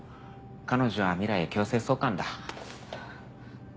彼女は未来へ強制送還だ。